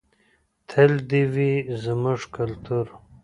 تل دې وي زموږ کلتور.